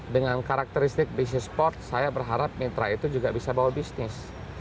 dengan karakteristik bisnis sport saya berharap mitra itu juga bisa bawa bisnis